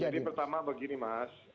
jadi pertama begini mas